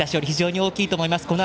非常に大きいと思います。